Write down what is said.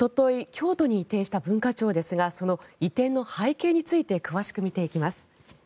京都に移転した文化庁ですがその移転の背景について詳しく見ていきます。